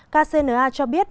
kcna cho biết